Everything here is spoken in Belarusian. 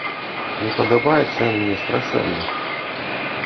Не падабаецца ён мне страшэнна.